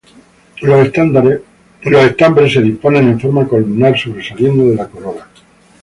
Los estambres se disponen en forma columnar sobresaliendo de la corola.